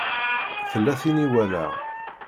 Tella tin i walaɣ.